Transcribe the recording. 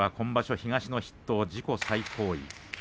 東筆頭自己最高位です。